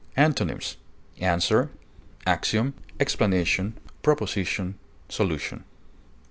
Antonyms: answer, axiom, explanation, proposition, solution.